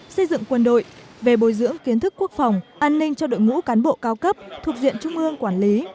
xây dựng quân đội về bồi dưỡng kiến thức quốc phòng an ninh cho đội ngũ cán bộ cao cấp thuộc diện trung ương quản lý